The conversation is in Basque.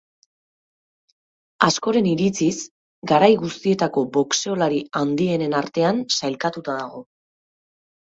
Askoren iritziz, garai guztietako boxeolari handienen artean sailkatuta dago.